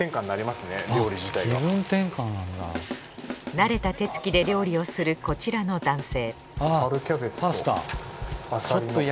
慣れた手つきで料理をするこちらの男性